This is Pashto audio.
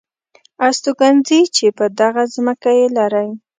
استوګنځي چې په دغه ځمکه یې لرئ .